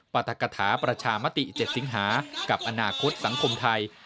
รัฐกฐาประชามติ๗สิงหากับอนาคตสังคมไทย